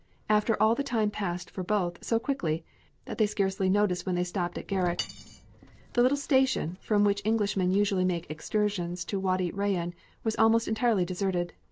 After all the time passed for both so quickly that they scarcely noticed when they stopped in Gharak. The little station, from which Englishmen usually make excursions to Wâdi Rayân, was almost entirely deserted.